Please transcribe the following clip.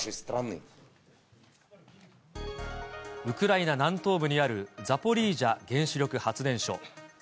ウクライナ南東部にあるザポリージャ原子力発電所。